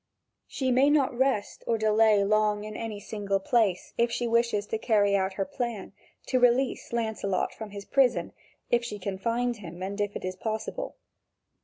She may not rest or delay long in any single place, if she wishes to carry out her plan, to release Lancelot from his prison, if she can find him and if it is possible.